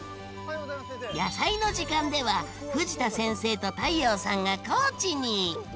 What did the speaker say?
「やさいの時間」では藤田先生と太陽さんが高知に！